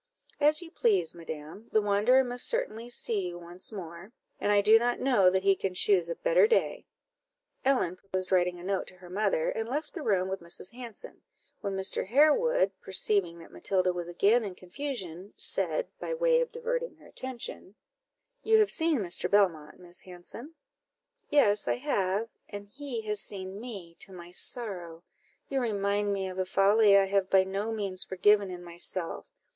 "As you please, madam; the wanderer must certainly see you once more, and I do not know that he can choose a better day." Ellen proposed writing a note to her mother, and left the room with Mrs. Hanson, when Mr. Harewood, perceiving that Matilda was again in confusion, said, by way of diverting her attention "You have seen Mr. Belmont, Miss Hanson?" "Yes, I have; and he has seen me, to my sorrow. You remind me of a folly I have by no means forgiven in myself.